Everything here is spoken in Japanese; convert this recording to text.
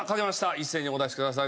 一斉にお出しください。